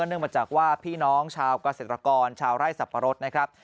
เนื่องมาจากว่าพี่น้องชาวเกษตรกรชาวไร่สับปะรดนะครับ